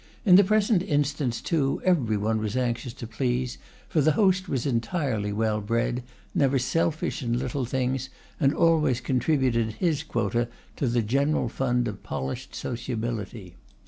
In the present instance, too, every one was anxious to please, for the host was entirely well bred, never selfish in little things, and always contributed his quota to the general fund of polished sociability.